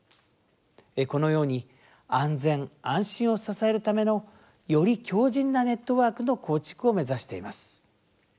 このように安全・安心を支えるためのより強じんなネットワークの構築を目指しています。